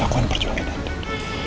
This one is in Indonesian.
aku akan perjuangin adem